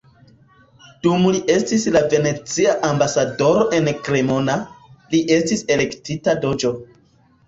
Dum li estis la venecia ambasadoro en Cremona, li estis elektita "doĝo".